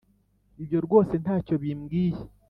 Ibyo rwose ntacyo bimbwiye